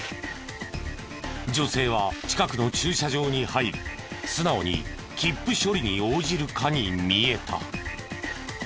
女性は近くの駐車場に入り素直に切符処理に応じるかに見えた。